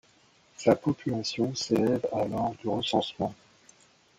Sa population s’élève à lors du recensement.